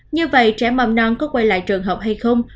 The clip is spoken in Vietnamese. như vậy trẻ mầm non có quay lại trường học hay không